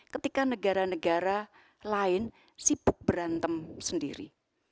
ketika negara negara lain sibuk berantem sendiri